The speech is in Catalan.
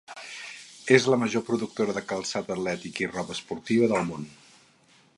És la major productora de calçat atlètic i roba esportiva del món.